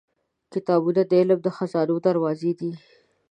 • کتابونه د علم د خزانو دروازې دي.